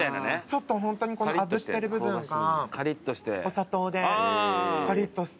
ちょっとホントにこのあぶってる部分がお砂糖でカリッとして。